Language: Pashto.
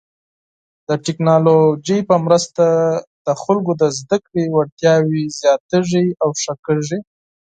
د ټکنالوژۍ په مرسته د خلکو د زده کړې وړتیاوې زیاتېږي او ښه کیږي.